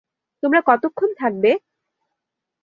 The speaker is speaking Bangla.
তোমরা কতক্ষণ থাকবে?